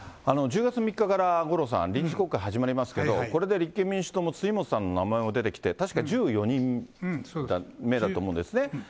１０月３日から五郎さん、臨時国会始まりますけど、これで立憲民主党も辻元さんの名前も出てきて、確か１４人目だと思うんですね。